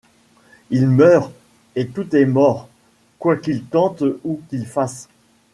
Il meurt, et tout est mort Quoi qu’il tente ou qu’il fasse